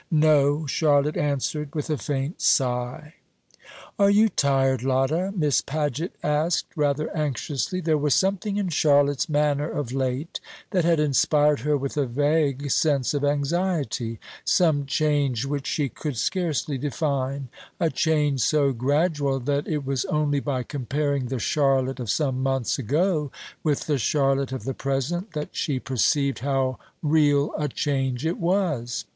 "No," Charlotte answered, with a faint sigh. "Are you tired, Lotta?" Miss Paget asked, rather anxiously. There was something in Charlotte's manner of late that had inspired her with a vague sense of anxiety; some change which she could scarcely define a change so gradual that it was only by comparing the Charlotte of some months ago with the Charlotte of the present that she perceived how real a change it was.